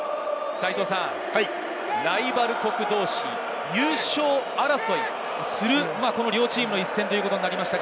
ライバル国同士、優勝争いをする両チームの一戦となりました。